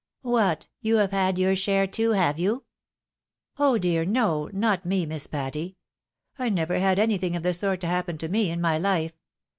" What, you have had your share, too, have you ?"" Oh dear, no !— Not me. Miss Patty. I never had anything of the sort happen to me in my life.